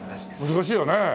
難しいよね。